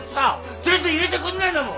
全然入れてくれないんだもん。